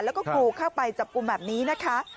แล้วก็กรูเข้าไปจับกลุ่มแบบนี้นะคะ